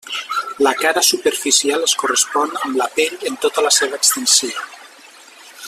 La cara superficial es correspon amb la pell en tota la seva extensió.